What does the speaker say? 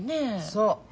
そう。